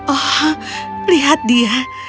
oh lihat dia